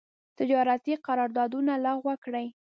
تجارتي قرارداونه لغو کړي.